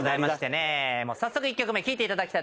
早速１曲目聴いていただきたいと。